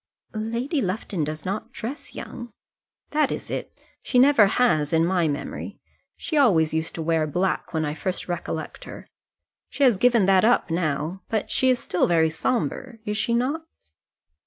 "Lady Lufton does not dress young." "That is it. She never has, in my memory. She always used to wear black when I first recollect her. She has given that up now; but she is still very sombre; is she not?"